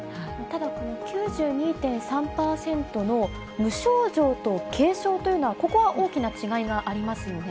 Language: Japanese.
ただ、９２．３％の無症状と軽症というのはここは大きな違いがあります